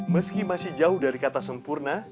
meski masih jauh dari kata sempurna